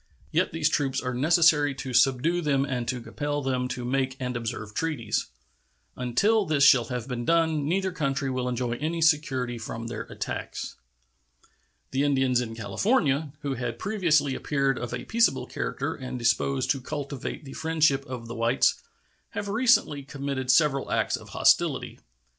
Yet these troops are necessary to subdue them and to compel them to make and observe treaties. Until this shall have been done neither country will enjoy any security from their attacks. The Indians in California, who had previously appeared of a peaceable character and disposed to cultivate the friendship of the whites, have recently committed several acts of hostility.